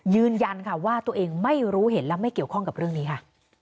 ยืนยันค่ะว่าตัวเองไม่รู้เห็นและไม่เกี่ยวข้องกับเรื่องนี้ค่ะ